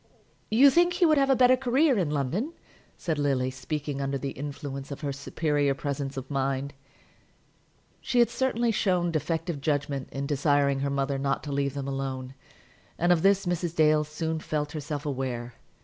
"You think he would have a better career in London?" said Lily, speaking under the influence of her superior presence of mind. She had certainly shown defective judgment in desiring her mother not to leave them alone; and of this Mrs. Dale soon felt herself aware.